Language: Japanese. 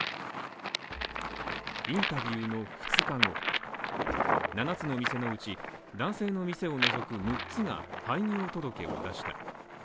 インタビューの２日後、七つの店のうち、男性の店を除く六つが廃業届けを出した。